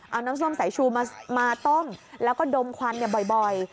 เอาน้ำส้มสายชูมาต้มแล้วก็ดมควันบ่อย